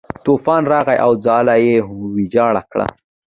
طوفان راغی او ځاله یې ویجاړه کړه.